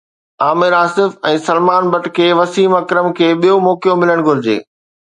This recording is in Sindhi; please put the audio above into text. عامر آصف ۽ سلمان بٽ کي وسيم اڪرم کي ٻيو موقعو ملڻ گهرجي